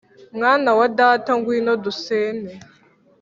mwana wa data ngwino dusene